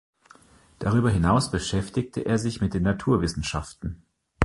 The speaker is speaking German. Darüber hinaus beschäftigte er sich mit den Naturwissenschaften.